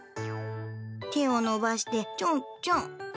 手を伸ばしてちょんちょん。